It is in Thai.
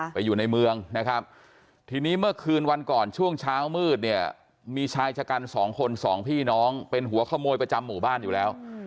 ไปอยู่ในเมืองนะครับทีนี้เมื่อคืนวันก่อนช่วงเช้ามืดเนี่ยมีชายชะกันสองคนสองพี่น้องเป็นหัวขโมยประจำหมู่บ้านอยู่แล้ว